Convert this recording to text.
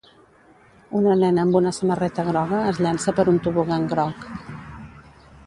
Una nena amb una samarreta groga es llança per un tobogan groc.